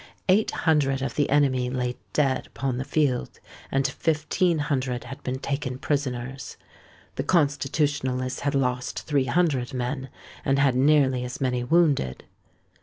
Eight hundred of the enemy lay dead upon the field; and fifteen hundred had been taken prisoners. The Constitutionalists had lost three hundred men, and had nearly as many wounded.